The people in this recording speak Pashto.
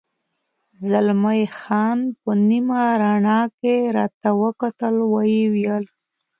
زلمی خان په نیمه رڼا کې راته وکتل، ویې ویل.